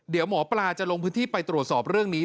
เดี๋ยวหมอปลาจะลงพื้นที่ไปตรวจสอบเรื่องนี้